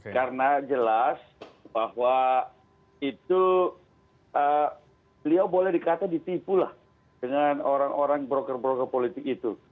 karena jelas bahwa itu beliau boleh dikata ditipu lah dengan orang orang broker broker politik itu